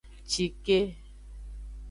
Cike.